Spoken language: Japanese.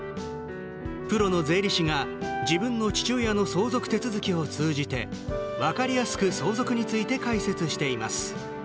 プロの税理士が自分の父親の相続手続きを通じて分かりやすく相続について解説しています。